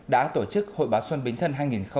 đã tổ chức hội báo xuân bến thân hai nghìn một mươi sáu